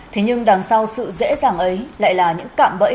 thế nhưng đằng sau sự dễ dàng ấy lại là những cặm